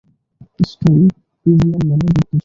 স্টুল pigeon মানে গুপ্তচর।